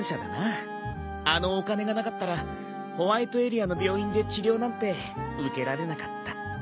あのお金がなかったらホワイトエリアの病院で治療なんて受けられなかった。